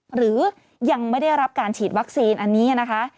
หรือยังไม่ได้รับการฉีดวัคซีนอันนี้นะคะ